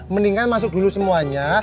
mendingan masuk dulu semuanya